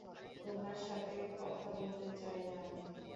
তোমার সাথে কথা বলতে চাই না আমি।